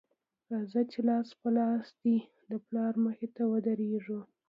راځه چې لاس په لاس دې د پلار مخې ته ودرېږو